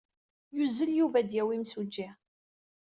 Yuzzel Yuba ad d-yawi imsujji.